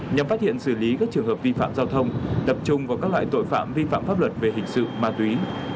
nhằm phát hiện xử lý các trường hợp vi phạm giao thông tập trung vào các loại tội phạm vi phạm pháp luật về hình sự ma túy